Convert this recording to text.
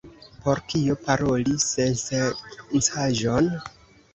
Por kio paroli sensencaĵon?